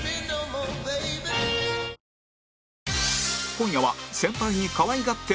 今夜は